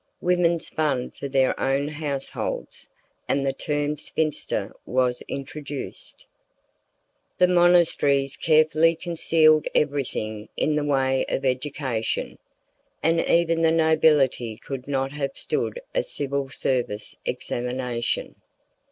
Women spun for their own households, and the term spinster was introduced. The monasteries carefully concealed everything in the way of education, and even the nobility could not have stood a civil service examination.